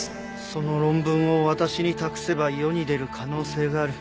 その論文を私に託せば世に出る可能性がある。